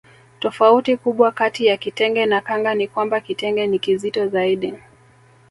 Tofauti kubwa kati ya kitenge na kanga ni kwamba kitenge ni kizito zaidi